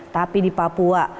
tapi di papua